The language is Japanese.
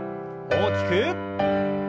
大きく。